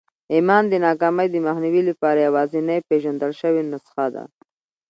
ايمان د ناکامۍ د مخنيوي لپاره يوازېنۍ پېژندل شوې نسخه ده.